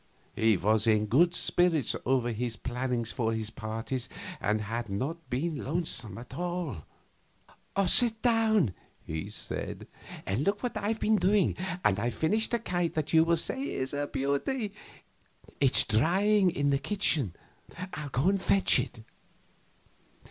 He was in good spirits over his plannings for his party and had not been lonesome. "Sit down," he said, "and look at what I've been doing. And I've finished a kite that you will say is a beauty. It's drying, in the kitchen; I'll fetch it."